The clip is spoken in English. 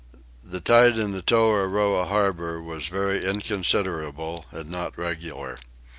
The tide in Toahroah harbour was very inconsiderable and not regular.